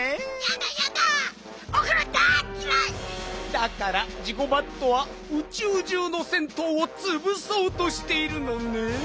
だからジゴバットはうちゅうじゅうの銭湯をつぶそうとしているのねん。